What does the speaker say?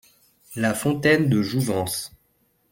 La fontaine de jouvence.